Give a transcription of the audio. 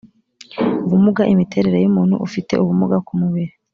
ubumuga imiterere y umuntu ufite ubumuga ku mubiri